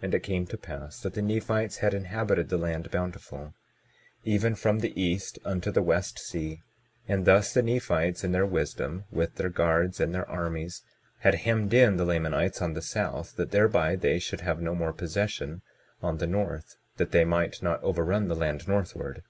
22:33 And it came to pass that the Nephites had inhabited the land Bountiful, even from the east unto the west sea, and thus the Nephites in their wisdom, with their guards and their armies, had hemmed in the Lamanites on the south, that thereby they should have no more possession on the north, that they might not overrun the land northward.